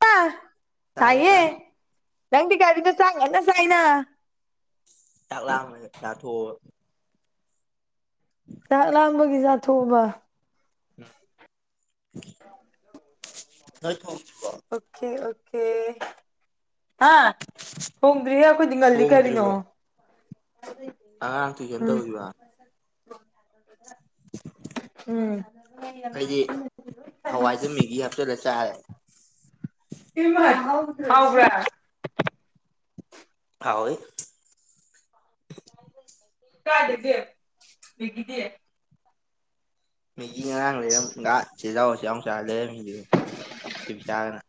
ꯇꯥ ꯆꯥꯔꯦ ꯆ ꯅꯪꯗꯤꯤ ꯀꯒꯥꯔꯤꯗ ꯆꯥꯏꯉꯦꯟꯅ ꯆꯥꯏꯅ ꯆꯥꯛꯂꯑ ꯌꯥꯊꯣ ꯆꯥꯛ ꯂꯥꯡꯕꯒꯤ ꯆꯥꯊꯣꯛꯑꯕ ꯎ ꯍ ꯊꯣ ꯑꯣꯀꯦ ꯑꯣꯦ ꯑꯣ ꯀꯦ ꯍꯥ ꯊꯣꯡꯗ꯭ꯔꯤꯌꯦ ꯑꯩꯈꯣꯏꯗꯤꯡ ꯉꯜꯂꯤ ꯀꯔꯤꯅꯣ ꯑ ꯇ ꯌꯦꯟ ꯍꯧꯗꯤ ꯋꯥ ꯎ ꯑꯩꯗꯤ ꯍꯋꯥꯏꯖ ꯃꯤꯒꯤ ꯍꯥꯞꯆꯜꯂ ꯆꯥꯔꯦ ꯏꯃꯕ꯭ꯔ ꯑꯑꯣꯣꯏ ꯀꯥꯏꯗꯦꯗꯦ ꯒꯤꯗꯤ ꯎꯝ ꯏ ꯉꯔꯥꯡ ꯂꯩꯔꯝꯒ ꯆꯖꯥꯎ ꯆ ꯆ ꯂꯩꯔꯝꯃꯤ ꯆꯗꯅ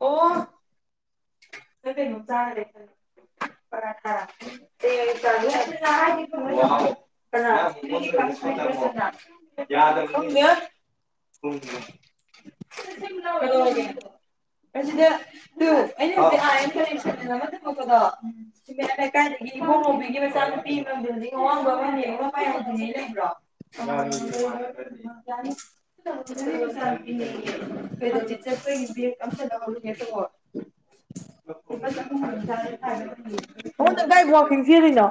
ꯆꯔ ꯆ ꯄꯗ ꯂꯩꯀꯥꯏꯗꯒꯤ ꯏꯍꯧ ꯅꯣꯝꯒꯤ ꯃꯆꯥꯅꯨꯄꯤ ꯑꯋꯥꯡꯕ ꯑꯃꯌꯥꯝ ꯂꯩꯕ꯭ꯔꯣ ꯍ ꯀꯤꯟꯁꯤꯗꯅ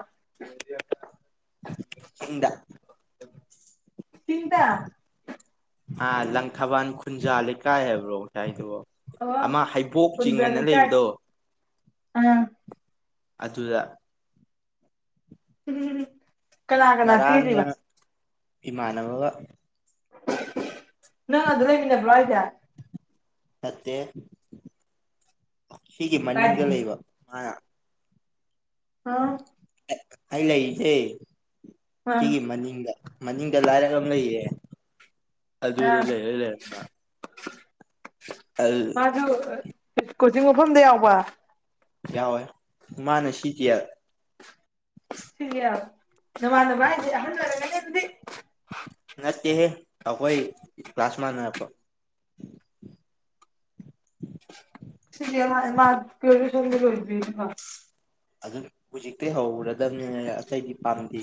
ꯍꯗ [unintelligible] ꯆꯤꯟꯇ ꯑ ꯂꯪ ꯈꯕꯟ ꯄꯨꯟꯖꯥꯀꯥ ꯍ ꯔꯣ ꯉꯁꯥꯏꯗꯨꯣ ꯑꯣ ꯑꯃ ꯍꯩꯕꯣꯛ ꯆꯤꯡꯉꯅ ꯂꯩꯕꯗꯣ ꯑꯝ ꯑꯗꯨꯗ ꯎ ꯀꯅꯥ ꯀꯅꯥ ꯁꯤꯤꯜꯂꯤꯔꯤꯕ ꯏꯃꯅꯅꯕꯒ ꯅꯪꯗ ꯂꯩꯟꯅ ꯐ꯭ꯔꯏꯇꯦ ꯅꯠꯇꯦ ꯁꯤꯒꯤ ꯃꯅꯤꯡꯗ ꯀꯥꯏꯗꯒꯤ ꯂꯩꯕ ꯃꯥ ꯑꯥ ꯍꯥꯏ ꯂꯩꯁꯦ ꯑꯥ ꯁꯤꯒꯤ ꯃꯅꯤꯡꯗ ꯃꯅꯤꯡꯗ ꯂꯥꯏꯔꯛ ꯑꯃ ꯂꯩꯌꯦ ꯑꯗꯨꯗ ꯑꯥ ꯂꯩ ꯂꯩꯃ ꯑ ꯃꯥꯁꯨ ꯀꯣꯆꯤꯡ ꯃꯐꯝꯗ ꯌꯥꯎꯕ ꯌꯥꯎꯋꯦ ꯃꯥꯅ ꯁꯤꯇꯤꯑꯥꯏ ꯁꯤꯒꯌꯥ ꯅꯃꯥꯟꯅꯥꯕꯥ ꯍꯥꯏꯖ ꯑꯍꯜ ꯑꯣꯏꯔꯝꯒꯅꯤ ꯑꯗꯨꯗꯤ ꯆꯦ ꯍꯦ ꯑꯩꯈꯣꯏ ꯀ꯭ꯂꯥꯁ ꯃꯥꯟꯅꯥ ꯔꯛꯄ ꯁꯤ ꯃꯥ ꯀꯦꯔ ꯁ ꯆꯕꯤ ꯑꯗꯨ ꯍꯧꯖꯤꯛꯇꯤ ꯍꯧꯔꯗꯕꯅꯦ ꯑꯇꯩꯗꯤ ꯄꯥꯝꯗꯦ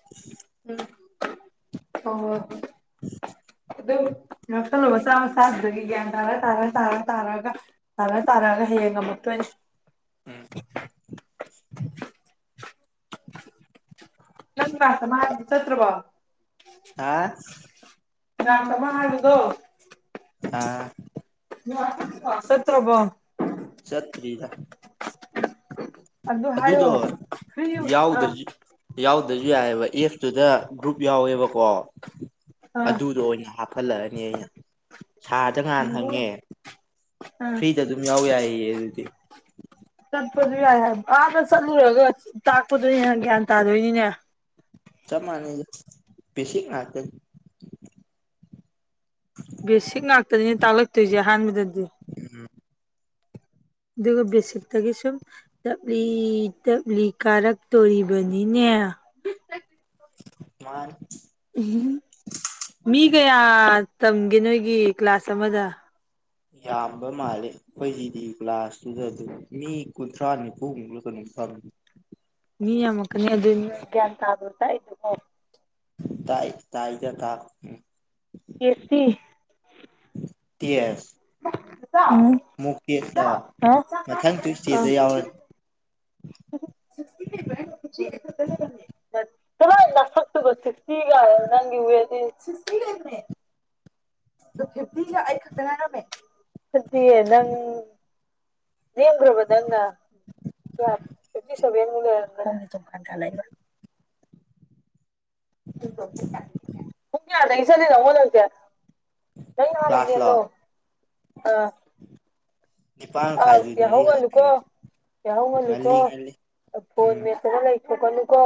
ꯎꯝ [unintelligible] ꯑꯣ ꯑꯗꯨꯗꯣ ꯑ ꯍꯜꯣ ꯃ ꯆꯥ ꯃ ꯁꯥꯥꯗꯒꯤꯒꯦ ꯇꯥꯔ ꯇꯥꯔ ꯇꯥꯔ ꯇꯥꯔꯒ ꯇꯥꯔ ꯇꯥꯔꯒ ꯍꯌꯦꯡ ꯉꯝꯃꯛꯇꯣꯏꯅꯦ [unintelligible] [unintelligible] ꯅꯪ ꯀꯂꯥꯁ ꯑꯃꯥ ꯍꯥꯏꯕꯗꯣ ꯆꯠꯇꯔ꯭ꯕꯣ ꯍꯥ ꯀꯂ꯭ꯥꯁ ꯑꯃꯥ ꯍꯥꯌꯕꯥꯗꯣ ꯑ ꯆꯠꯇ꯭ꯔꯕꯣ ꯆꯠꯇ꯭ꯔꯤꯗꯥꯥ ꯑꯗꯨ ꯍꯥꯏꯌꯣ ꯑꯗꯨꯗꯣ ꯐ꯭ꯔꯤ ꯑꯥ ꯌꯥꯎꯗ꯭ꯔꯖꯨ ꯌꯥꯎꯗ꯭ꯔꯖꯨ ꯌꯥꯏꯑꯕ ꯑꯦ ꯑꯗꯨꯗ ꯒ꯭ꯔꯨꯞ ꯌꯥꯎꯋꯦꯕ ꯀꯣ ꯑꯥ ꯑꯗꯨꯗꯣ ꯑꯣꯏꯅ ꯍꯥꯞꯄ ꯑꯂꯛꯅꯤ ꯌꯦ ꯁꯥꯗ ꯉꯥꯟ ꯑꯣ ꯍꯪꯉꯦ ꯑꯥ ꯐ꯭ꯔꯤꯗ ꯑꯗꯨꯝ ꯌꯥꯎ ꯌꯥꯏ ꯗꯤ ꯑꯗꯨꯗꯤ ꯆꯠꯄꯗꯨ ꯌꯥꯏ ꯑꯥꯅ ꯆꯠꯂꯨꯔꯒ ꯇꯥꯛꯄꯗꯨꯅ ꯍꯦꯟ ꯒ꯭ꯌꯥꯟ ꯇꯥꯗꯣꯏꯅꯤꯅꯦ ꯆꯞ ꯃꯅꯩꯗꯥ ꯕꯦꯁꯤꯛ ꯉꯥꯛ ꯇꯥꯅꯤ ꯕꯦꯁꯤꯛ ꯉꯥꯛꯇꯥꯅꯤ ꯇꯥꯛꯂꯛ ꯇꯨꯁꯦ ꯑꯍꯥꯟꯕꯗ [unintelligible] ꯑꯗꯨꯒ ꯕꯦꯁꯤꯛꯇꯒꯤ ꯁꯨꯝ ꯇꯞꯂꯤ ꯇꯞꯂꯤ ꯀꯥꯔꯛꯇꯣꯔꯤꯕꯅꯤꯅꯦ ꯃꯥꯥꯟ ꯃꯤ ꯀꯌꯥ ꯇꯝꯒꯦ ꯅꯣꯏꯒꯤ ꯀ꯭ꯂꯥꯁ ꯑꯃꯗ ꯌꯥꯝꯕ ꯃꯥꯜꯂꯦ ꯑꯩꯈꯣꯏꯒꯤꯗꯤ ꯒ꯭ꯂꯥꯁꯇꯨꯗ ꯑꯗꯨꯝ ꯃꯤ ꯀꯨꯟꯊ꯭ꯔꯥ ꯅꯤꯐꯨꯃꯨꯛꯂ ꯑꯗꯨꯝ ꯐꯪꯃꯤ ꯃꯤ ꯑꯃ ꯀ ꯑꯗꯨ ꯀ ꯇꯥ ꯇꯥꯏ ꯑꯣ ꯇ ꯇꯥꯥꯏꯗ ꯊꯥ ꯑꯦꯄꯤ ꯃꯨꯀꯦꯂꯣꯑꯣ ꯃꯊꯪ ꯇꯨ ꯏꯁꯇꯦꯇ ꯌꯥꯎꯔ ꯂ ꯁꯒ ꯁꯤꯒ ꯅꯪ ꯐꯤ ꯑꯩ ꯈꯛꯇ ꯐꯤꯤ ꯑꯦꯪ ꯅ꯭ꯔꯕꯗ ꯦꯡꯔ ꯆꯃꯂ [unintelligible] ꯌꯥ ꯅꯁꯅꯤ ꯅꯃꯣ ꯅꯗꯦ ꯀ ꯌꯥꯔꯒꯦꯂꯣ ꯑꯥ ꯎꯝ ꯑ ꯌꯥꯍꯧꯒ ꯂꯨꯀꯣ ꯌꯥꯍꯒ ꯂꯨꯀꯣ ꯉꯜꯂꯤ ꯉꯜꯂꯤ ꯐꯣꯟ ꯎꯝ ꯃ ꯊꯉ ꯂꯩ ꯊꯣꯛ ꯀꯅꯤꯨꯀꯣ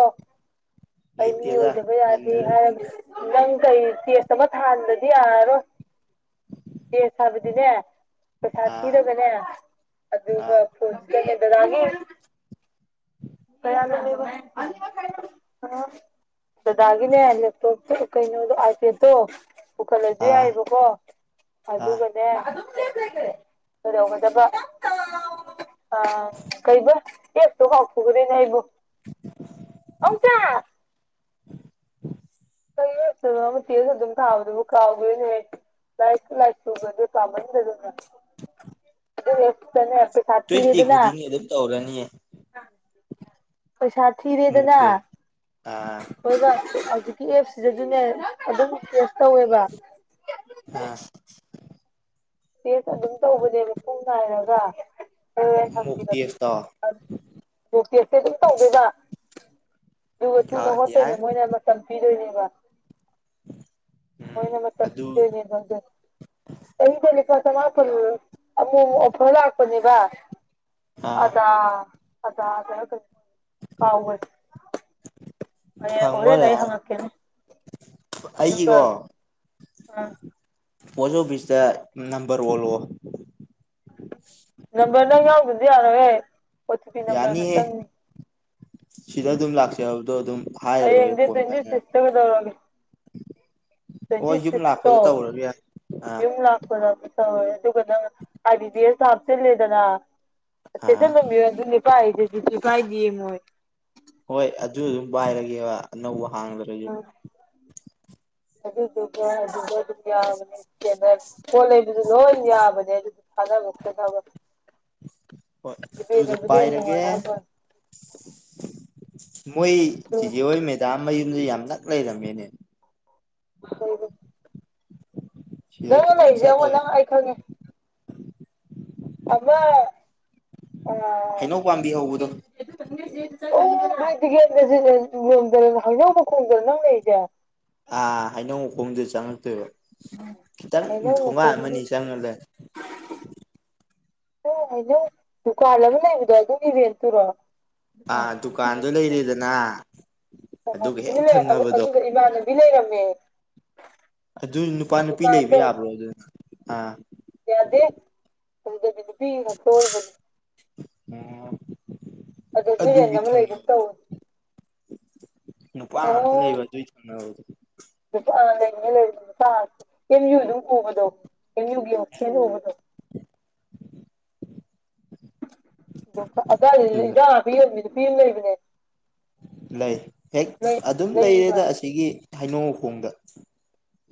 ꯑꯩ ꯃꯤ ꯂꯩꯇꯦꯗ ꯑꯣꯏꯗꯕ ꯉꯟꯅ ꯌꯥꯗꯦ ꯑꯗꯨꯝ ꯍꯥꯏ ꯇꯨꯝꯃꯤ ꯀꯩ ꯇꯦꯁ ꯑꯃ ꯊꯗꯗꯤ ꯌꯥꯔꯣꯏ ꯀꯦꯁ ꯍꯥꯏꯕꯗꯤꯅꯦ ꯄꯁꯥ ꯑꯥ ꯊꯤꯔꯒꯅꯦ ꯑꯥ ꯗꯥꯒꯤꯅꯦ ꯂꯦꯞꯇꯣ ꯀꯩꯅꯣꯗꯣꯄꯦꯗꯣ ꯄꯨꯈꯠꯂꯁꯨ ꯑꯥ ꯌꯥꯏꯑꯕꯀꯣ ꯑꯥ ꯑꯗꯨꯒꯅꯦ ꯀꯩꯗꯧꯒꯗꯕ ꯑ ꯀꯩꯕ ꯌꯦ ꯇꯨ ꯍꯥ ꯐꯔꯤ ꯅꯕꯨ [unintelligible] [unintelligible] ꯃꯆꯦꯁꯨ ꯑꯗꯨꯝ ꯊꯥꯕꯗꯨꯕꯨ ꯀꯥꯎꯗꯦꯅꯦ ꯂꯥꯏꯁꯨ ꯂꯥꯏꯁꯨꯨꯕꯗ ꯀꯥꯃꯟꯗ ꯑꯗꯨꯅ [unintelligible] ꯇꯨꯋꯐꯇꯤ ꯊꯤꯔꯦꯗꯅ ꯈꯨꯗꯤꯡꯒꯤ ꯑꯗꯨꯝ ꯇꯧꯔꯅꯤꯌꯦ ꯄꯩꯁꯥ ꯃꯣꯛ ꯊꯤꯔꯦꯗꯅ ꯇꯦꯁ ꯑꯥ ꯍꯧꯖꯤꯛꯀꯤ ꯑꯦꯞꯁꯤꯗꯁꯨꯅꯦ ꯑꯗꯨꯝ ꯇꯦꯁ ꯇꯧꯋꯦꯕ ꯑꯥ ꯇꯦꯁ ꯑꯗꯨꯝ ꯇꯧꯕꯅꯦ ꯃꯨꯡ ꯥꯏꯔꯒ ꯑ ꯍ ꯃꯣꯛ ꯊꯪꯕꯤꯔ ꯇꯦꯁꯇꯣ ꯔꯣꯇꯁꯦ ꯑꯗꯨ ꯇꯧꯗꯦꯖ ꯂꯨ ꯊꯨꯅ ꯑꯥ ꯌꯥꯏ ꯍꯣꯠꯇꯣꯏꯅꯦ ꯃꯣꯏꯅ ꯃꯇꯝ ꯄꯤꯗꯣꯏꯅꯦ ꯋꯥ ꯎꯝ ꯃꯣꯏꯅ ꯃ ꯃꯇꯝ ꯑꯗꯨ ꯀꯤꯗ ꯇꯗ ꯃꯥꯄ ꯑ ꯑꯃ ꯐꯂ ꯄꯨꯅꯤꯕ ꯑꯥ ꯑ ꯑ ꯀꯥꯎ ꯑꯣꯏꯔꯦ ꯐꯪꯉꯣ ꯅ ꯌꯥꯔꯦ ꯍꯛꯀ ꯑꯗꯨꯝꯕ ꯑꯩꯒꯤꯀꯣ ꯑ ꯄꯣꯁ ꯑꯣꯐꯤꯁꯇ ꯅꯝꯕꯔ ꯑꯣꯜꯂꯛꯑꯣ ꯅꯝꯕꯔ ꯅꯪ ꯌꯥꯎꯕꯗꯤ ꯌꯥꯅꯋꯦ [unintelligible] ꯌꯥꯅꯤ ꯍꯦ ꯁꯤꯗ ꯑꯗꯨꯝ ꯂꯥꯛꯆ ꯇꯣ ꯑꯗꯨꯝ ꯍꯥꯏꯔ ꯑꯩ ꯂꯣꯏꯔꯦ ꯏꯗꯤ ꯇꯦ ꯐꯣꯟ ꯄꯥꯏꯅꯔ ꯁꯤꯁꯇꯗꯧꯔꯦ ꯇ꯭ꯋꯦꯟꯇꯤ ꯍꯣꯏ ꯌꯨꯝ ꯁꯤꯛꯁꯇꯣ ꯂꯥꯛꯄꯗ ꯇꯧꯔꯒꯦ ꯑꯥ ꯌꯨꯝ ꯂꯥꯛꯄꯗ ꯍ ꯑꯗꯨꯒ ꯅꯪ ꯍꯥꯏꯥꯏꯕꯤꯗꯤꯁ ꯍꯥꯞꯆꯤꯜꯂꯦꯗꯅ ꯑꯦ ꯑꯥ ꯆꯃꯤ ꯑꯗꯨ ꯄꯥꯏꯗꯦꯗꯤ ꯇ ꯄꯥꯏꯗꯤ ꯃꯣꯏ ꯍꯣꯏ ꯑꯗꯨ ꯑꯗꯨꯝ ꯄꯏꯔꯒꯦꯕ ꯑꯅꯧꯕ ꯍꯥꯡꯗ꯭ꯔꯁꯨ ꯎꯝ ꯑꯗꯨꯒ ꯑꯗꯨ ꯌꯥꯕꯅꯦ ꯄꯣꯠ ꯂꯩꯕꯗꯨ ꯂꯣꯏ ꯌꯥꯕꯅꯦ ꯑꯗꯨ ꯊꯥꯅꯕ ꯈꯣꯠꯅꯕ ꯍꯣꯏ ꯑꯗꯨꯗ ꯍꯦꯟꯅ ꯅꯨꯡꯉꯥꯏ ꯄꯥꯏꯔꯒꯦ ꯍꯥꯏꯕꯋꯥꯅꯤ ꯃꯣꯏ ꯆꯤꯖꯤ ꯑꯣꯏ ꯃꯦꯗꯥꯝ ꯃꯌꯨꯝꯁ ꯌꯥꯝ ꯅꯛ ꯂꯩꯔꯝꯃꯤꯅꯦ ꯁꯤꯗꯩ ꯅꯪꯉ ꯈꯤꯇꯪ ꯂꯩꯔꯤꯁꯦ ꯑꯃꯨꯛ ꯆꯠꯂꯒ ꯅꯪ ꯑꯩ ꯈꯪꯉꯦ ꯑꯗ ꯍꯩꯅꯧ ꯄꯥꯝꯕꯤ ꯍꯧꯕꯗꯣ ꯑꯣ ꯍꯥꯏꯗꯤꯒꯦꯟꯗꯗ ꯍꯖꯥꯎꯕ ꯈꯣꯡꯗꯅ ꯅꯪ ꯂꯩꯏꯁꯦ ꯑꯥ ꯍꯥꯏꯩꯅꯧ ꯈꯣꯡꯗꯦ ꯆꯪꯉꯛꯇꯦꯕ ꯈꯤꯇꯪ ꯍꯩꯅꯧ ꯊꯣꯡꯉꯛꯑ ꯃꯈꯣꯡꯒꯤ ꯑꯃꯅꯤꯅꯤ ꯆꯪꯉꯂꯦ [unintelligible] ꯍꯥꯏꯩꯅꯧ ꯗꯨꯀꯥꯟ ꯑꯃ ꯂꯩꯕꯗꯣ ꯑꯗꯨꯒꯤꯕꯦꯟ ꯇꯨꯔꯣ ꯑꯥ ꯗꯨꯀꯥꯟꯗ ꯂꯩꯔꯤꯗꯅ ꯀꯃꯣꯅꯅꯦ ꯑꯗꯨꯒ ꯏꯃꯥꯟꯅꯕꯤ ꯂꯩꯔꯝꯃꯦ ꯑꯗꯨ ꯅꯨꯄꯥ ꯅꯨꯄꯤ ꯂꯩꯕ ꯗꯨꯀꯥꯟꯗꯣ ꯌꯥꯕ꯭ꯔꯣ ꯑꯗꯨꯅ ꯑꯥ ꯑꯗꯨꯗꯕꯤꯗꯤ ꯐꯤ ꯉꯗ ꯑꯣꯏꯕꯅꯤ ꯑꯗ ꯖꯨꯔꯦꯟ ꯑꯗꯨꯒꯤ ꯑꯃ ꯂꯩ ꯑꯗꯨꯝ ꯇꯧꯅꯦ ꯄ ꯂꯩꯕ ꯑꯗꯨ ꯂꯩꯅꯤ ꯂꯩ ꯁꯥ ꯀ ꯌꯨ ꯑꯗꯨ ꯎꯕꯗꯣ ꯀꯅꯤꯕ ꯑꯣ ꯀꯦꯕꯗꯣ ꯑ ꯄ ꯂꯩ ꯑꯗꯨꯗ ꯏꯕꯅꯦ ꯂꯩ ꯍꯦꯛ ꯑꯗꯨꯝ ꯂꯩꯔꯤꯕ ꯂꯩꯔꯦꯗ ꯑꯁꯤꯒꯤ ꯍꯥꯏꯅꯧ ꯈꯣꯡꯗ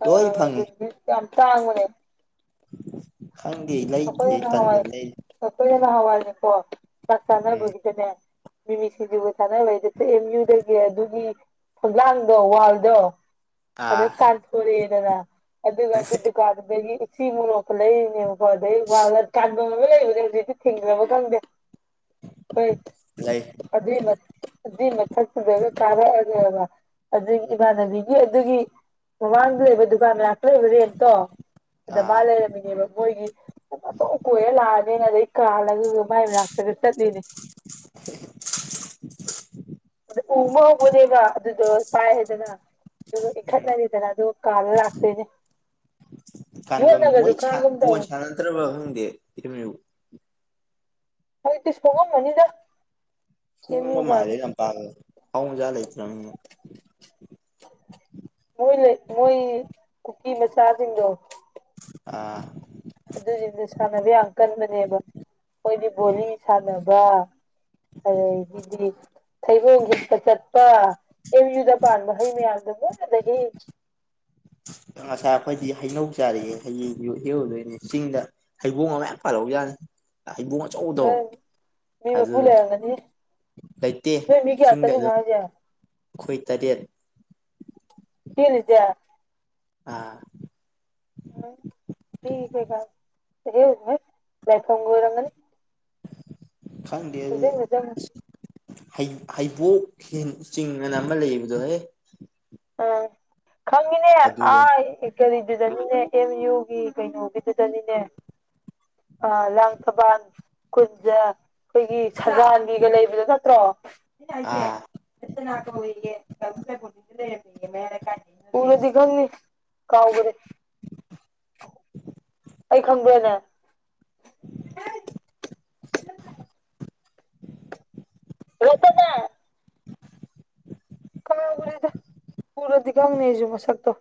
ꯑ ꯑꯗꯨ ꯁꯥꯡꯥꯡ ꯃꯅꯦ ꯎꯝ ꯑꯩꯈꯣꯏ ꯍꯦꯟꯅ ꯍꯋꯥꯏ ꯑꯩꯈꯣꯏ ꯍꯦꯟꯅ ꯍꯋꯥꯏꯅꯦꯀꯣ ꯆꯥꯛ ꯎꯝ ꯆꯥꯅꯕꯒꯤꯗꯅꯦ ꯃꯤꯃꯤ ꯁꯤꯡꯖꯨꯕꯨ ꯊꯥꯅꯕꯩꯗꯁꯨ ꯑꯦꯝ ꯌꯨꯗꯒꯤ ꯑꯗꯨꯒꯤ ꯈꯣꯡꯂꯥꯡꯗꯣ ꯋꯥꯜꯗꯣ ꯑꯗ ꯑꯥ ꯀꯥꯟꯄꯨꯔꯨꯔ ꯌꯦꯅꯅ ꯑꯗꯨ ꯑꯗꯨꯗꯨꯀꯥꯟꯗꯒꯤ ꯁꯤꯃꯨꯅꯈ ꯂꯩꯅꯦ ꯗ ꯋꯥ ꯀ ꯂꯩꯕ ꯍꯧꯖꯤꯛꯇꯤ ꯊꯦꯡꯗꯅꯕ ꯈꯪꯗꯦ ꯍꯣꯏ ꯂꯩ ꯑꯗꯨꯏ ꯑꯗꯨꯏ ꯃꯊꯛꯇꯨꯗ ꯇꯥꯔꯛꯑꯒꯕ ꯑꯗꯨꯒꯤ ꯏꯃꯥꯟꯅꯕꯤꯒꯤ ꯑꯗꯨꯒꯤ ꯃꯃꯥꯡꯗ ꯂꯩꯕ ꯗꯨꯀꯥꯟ ꯂꯥꯛꯇ ꯂꯩꯕ ꯔꯦꯟꯠꯇꯣ ꯑꯗ ꯑꯥ ꯃꯥ ꯂꯩꯔꯝꯃꯤꯅꯦꯕ ꯃꯣꯏꯒꯤ ꯀꯣꯏꯔ ꯂꯥꯛꯑꯅꯤꯅ ꯑꯗꯩ ꯀꯥꯜꯂꯒ ꯃꯥꯏ ꯃꯅꯥꯛꯇꯒ ꯆꯠꯂꯤꯅꯦ ꯑꯗ ꯎ ꯑꯃ ꯍꯧꯕꯅꯦꯕ ꯑꯗꯨꯗꯣ ꯄꯥꯏ ꯍꯥꯏꯗꯅ ꯑꯗꯨ ꯎꯝ ꯏꯟꯈꯠꯅꯔꯤꯗꯅ ꯑꯗꯨ ꯀꯥꯗ ꯂꯥꯛꯇꯣꯏꯅꯦ ꯀ ꯌꯣꯠꯅꯒꯁꯨ ꯃꯣꯏ ꯈꯥꯡꯒꯨꯝ ꯕꯣꯟ ꯇꯧꯕꯅꯦ ꯁꯥꯟꯅꯗ꯭ꯔꯕ ꯈꯪꯗꯦ ꯀꯝ ꯍꯇꯤꯁꯄꯉꯣ ꯃꯅꯤꯗ ꯍꯨꯡ ꯃꯥꯔꯤꯦ ꯅ ꯄ ꯍꯥꯎꯖꯂ ꯏꯅꯃꯤꯅ ꯃꯣꯏ ꯂꯩ ꯃꯣꯏ ꯀꯨꯀꯤ ꯃꯆꯥꯁꯤꯡꯗꯣ ꯑꯥ ꯑꯗꯨꯁꯤꯡꯗꯨ ꯁꯥꯟꯅꯕ ꯌꯥꯝ ꯀꯟꯕꯅꯦꯕ ꯑꯩꯣꯏꯗꯤ ꯕꯣꯂꯤ ꯁꯥꯟꯅꯕ ꯋꯥꯕꯥ ꯑꯗꯤ ꯊꯩꯕꯣꯡꯒꯤꯛꯇ ꯆꯠ ꯄ ꯑꯦꯝ ꯌꯨꯗ ꯄꯥꯟꯕ ꯍꯩ ꯃꯌꯥꯝꯗꯕꯨ ꯆꯍꯤ ꯑꯁꯥ ꯑꯩꯈꯣꯏꯗꯤ ꯍꯩꯅꯧ ꯆꯥꯔꯤꯑꯌꯦ ꯍꯌꯦꯡ ꯍꯧꯗꯣꯏꯅꯦ ꯆꯤꯡꯗ ꯍꯩꯕꯣꯡ ꯑꯃ ꯃꯌꯥꯝ ꯄꯥꯜꯔꯛ ꯌꯥꯅꯤ ꯍꯥꯏꯕꯨꯡ ꯑꯆꯧꯗꯣ ꯅꯪ ꯃꯤ ꯃꯄꯨ ꯑꯗꯨꯗ ꯂꯩꯔꯝꯒꯅꯤ ꯂꯩꯇꯦ ꯅꯣꯏ ꯃꯤ ꯀꯌꯥ ꯆꯤꯡꯗ ꯆꯠꯂꯤꯅꯣ ꯑꯗꯨꯝ ꯍꯥꯏꯁꯦ ꯑꯩꯈꯣꯏ ꯇꯔꯦꯠ ꯐꯔꯤꯖ ꯑꯥ ꯂꯦꯊꯒ ꯑꯣꯏꯔꯒꯅꯤ ꯈꯪꯗꯤ ꯆꯪꯉꯨ ꯍꯩꯕꯣꯛ ꯆꯤꯡ ꯑꯅ ꯑꯃ ꯂꯩꯕꯗꯣꯍꯦ ꯑꯝ ꯈꯪꯉꯤꯅꯦ ꯑ ꯀꯔꯤꯗꯨꯗꯅꯤꯅꯦ ꯑꯦꯝ ꯌꯨꯒꯤ ꯀꯩꯅꯣꯒꯤꯗꯨꯗꯅꯤꯅꯦ ꯑ ꯂꯥꯡꯊꯕꯥꯜ ꯈꯨꯟꯖꯥ ꯑꯩꯈꯣꯏꯒꯤ ꯁꯖꯥꯟꯒꯤꯒ ꯂꯩꯕꯗꯣ ꯅꯠꯇ꯭ꯔꯣ ꯑꯥ ꯦꯠꯇꯅꯀ ꯍꯒꯦ ꯅꯗꯤꯅꯤ ꯀꯥꯎ ꯀ [unintelligible] ꯑꯩ ꯈꯪꯗꯦꯅꯦ [unintelligible] ꯍꯗꯅ ꯀꯃꯦ ꯎꯒꯗ ꯄꯔꯗꯤꯀ ꯑꯃ ꯅ ꯃꯁꯛꯛꯇ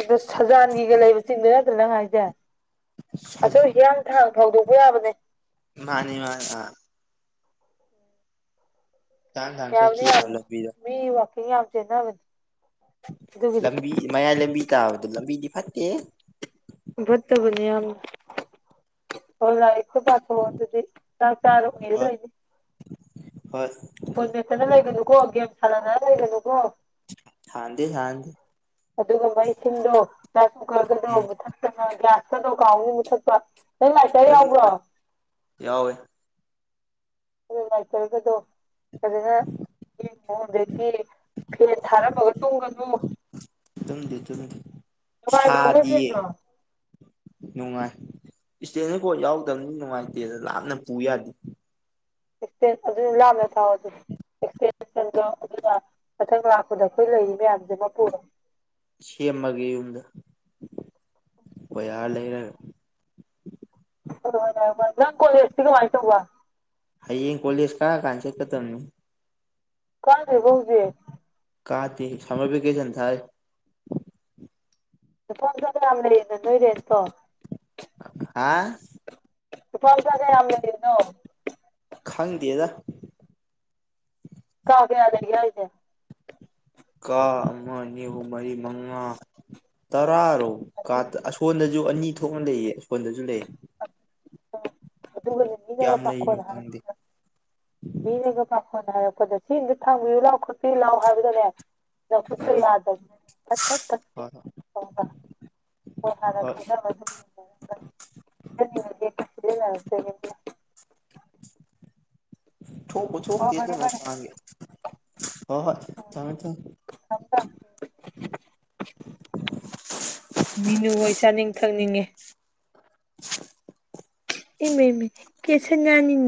ꯑꯗꯨ ꯁꯖꯥꯟꯒꯤꯒ ꯂꯩꯕ ꯆꯤꯡꯗ ꯅꯠꯇ꯭ꯔ ꯅꯪ ꯍꯥꯏꯁꯦ ꯑꯗꯣ ꯍꯊ ꯍꯧꯗꯣꯛꯄ ꯌꯥꯕꯅꯦ ꯃꯥꯅꯤ ꯃꯥ ꯑ ꯇꯥꯡ ꯇꯥꯡ ꯌꯥꯅꯤ ꯆꯠꯈꯤ ꯌꯥꯝ ꯂꯝꯕꯤꯗꯣ ꯃꯤ ꯋꯥ ꯀꯩꯅꯥꯎꯖꯦ ꯅ ꯍꯕ ꯂꯝꯕꯤ ꯃꯌꯥ ꯂꯝꯕꯤ ꯕꯗꯨꯜꯂꯝꯗꯤ ꯐꯠꯇꯦ ꯠꯇꯕꯅꯤ ꯌꯥꯝ ꯄꯥꯊꯣꯛꯑ ꯑꯗꯨꯗꯤ ꯆꯥꯛ ꯆꯥꯔ ꯑꯣꯏꯔ ꯍꯣꯏ ꯂꯩꯣꯏꯅꯤ ꯍꯣꯏ ꯐꯣꯟ ꯃꯦꯠꯇꯅ ꯂꯩꯕꯗꯨꯀꯣ ꯒꯦꯝ ꯁꯥꯟꯅ ꯂꯩꯕ ꯀꯣ ꯊꯥꯟꯗ ꯊꯥꯡꯗ ꯑꯗꯨꯒ ꯃꯩꯁꯤꯡꯗꯣ ꯎꯝ ꯥꯛꯁꯨꯒꯒꯗꯧ ꯊ ꯌꯥꯁ ꯇꯧ ꯀꯥꯎꯅꯤ ꯃꯊꯠ ꯅꯪ ꯂꯥꯏꯁ ꯂꯣꯏ ꯌꯥꯎꯕ꯭ꯔꯣ ꯃꯨꯠꯊꯠ ꯌꯥꯎꯋꯦ ꯑꯗꯨ ꯂꯥꯏꯆꯔꯒꯗꯣ ꯑꯗꯨꯅ ꯃꯑꯣꯡꯗꯒꯤ ꯐꯦꯟ ꯊꯥꯔꯝꯃꯒ ꯇꯨꯝꯒꯅꯨ ꯅꯨꯡꯉꯥꯏꯕ꯭ꯔꯣ ꯃꯣꯏ ꯁꯗꯤꯌꯦ ꯐꯦꯟꯗꯣ ꯅꯨꯡꯉꯥꯏ ꯏꯁꯇꯦꯀꯣ ꯌꯥꯎꯗꯕꯅꯤ ꯅꯨꯡꯉꯥꯏꯇꯦ ꯑꯗꯨ ꯂꯥꯞꯅ ꯄꯨ ꯌꯥꯗꯦ ꯑꯗꯨꯅ ꯂꯥꯞꯅ ꯊꯥꯎꯑꯣ ꯑꯗꯨꯗꯤ ꯑꯦꯛꯁꯇꯦꯟꯁꯟꯗꯣ ꯑꯗꯨꯅ ꯃꯊꯪ ꯂꯥꯛꯄꯗ ꯑꯩꯈꯣꯏ ꯂꯩꯔꯤ ꯃꯌꯥꯝꯁꯦ ꯃꯄꯨꯔꯣ ꯁꯦꯝꯃꯒꯦ ꯌꯨꯝꯗ ꯍꯣꯏꯌꯥ ꯂꯩꯔ ꯅ ꯀꯣꯣꯏꯁꯇꯉꯇ ꯎ ꯋꯥ ꯑꯩ ꯌꯦ ꯀꯣꯂꯤꯁ ꯀ ꯀꯥꯟꯁꯤꯦ ꯀ ꯇꯝꯅꯤ ꯀꯁꯦ ꯀꯧꯁꯤꯦ ꯀꯥ ꯊꯤ ꯁꯔ ꯄꯦꯀꯦꯁꯟ ꯊꯥꯏ ꯐꯣꯟ ꯌꯥꯝ ꯂꯩ ꯆꯊꯣꯏꯔꯦꯁꯣ ꯍꯥ ꯐ ꯆꯒ ꯌꯥꯝ ꯂꯩꯅꯣ ꯈꯪꯪꯗꯦꯗ ꯀꯥ ꯀꯦꯌꯥꯗꯔꯤꯁꯦ ꯀꯥ ꯑꯃ ꯅꯤꯍꯨ ꯃꯔꯤ ꯃꯉꯥ ꯇꯔꯥ ꯑꯁꯣꯟꯗꯁꯨ ꯑꯅꯤ ꯊꯣꯛꯅ ꯂꯩꯌꯦ ꯑꯩꯈꯣꯟꯗꯁꯨ ꯂꯩꯌꯦ ꯍ ꯑꯗꯨꯗꯨꯒ ꯀꯌꯥꯝ ꯌꯥꯒ ꯂꯩꯔꯤꯅꯣ ꯈꯪꯗꯦ ꯄꯗꯔ꯭ꯔ ꯃꯤꯅꯦꯒ ꯄꯥꯈꯣꯟꯅ ꯍꯥꯏꯔꯛꯄꯗ ꯆꯗ ꯊꯥꯡꯕꯤꯨ ꯂꯥꯎ ꯈꯨꯠꯄꯤ ꯂꯑꯣ ꯍꯥꯏꯕꯗꯨꯅꯦ ꯂꯧꯄ ꯑꯥ ꯌꯥꯗꯕꯅꯤꯅ ꯍꯣꯏ ꯍꯣꯏ ꯍꯣꯏ ꯏꯦ ꯅꯦ [unintelligible] ꯊꯣꯀ ꯑꯣ ꯊꯣꯗ ꯐꯔꯦ ꯐꯔꯦ ꯅꯒꯦ [unintelligible] ꯍꯣꯏ ꯍꯣꯏ ꯊꯃꯦꯃꯦ ꯊꯃꯦ ꯊꯝ ꯊꯝ ꯃꯤꯅꯨ ꯑꯣꯏ ꯆꯥꯅꯤꯡ ꯊꯛꯅꯤꯡꯉꯦ [unintelligible] ꯏꯃꯦ ꯏꯃꯦ ꯀꯁ ꯅꯅꯤꯅꯤ